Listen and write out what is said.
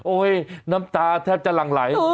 น้ำตาแทบจะหลั่งไหล